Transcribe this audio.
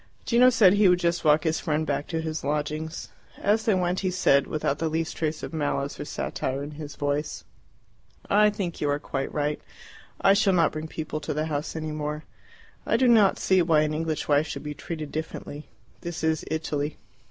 Gino said he would just walk his friend back to his lodgings. As they went he said, without the least trace of malice or satire in his voice, "I think you are quite right. I shall not bring people to the house any more. I do not see why an English wife should be treated differently. This is Italy."